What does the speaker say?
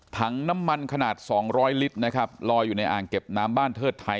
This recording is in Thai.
ถังน้ำมันขนาด๒๐๐ลิตรนะครับลอยอยู่ในอ่างเก็บน้ำบ้านเทิดไทย